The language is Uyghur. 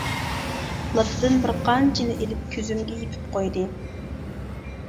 لاتىدىن بىر قانچىنى ئېلىپ كۆزۈمگە يېپىپ قويدى.